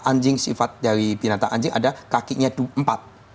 anjing sifat dari binatang anjing ada kakinya empat